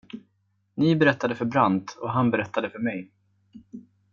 Ni berättade för Brandt och han berättade för mig.